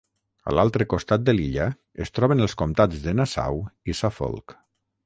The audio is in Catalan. A l'altre costat de l'illa es troben els comtats de Nassau i Suffolk.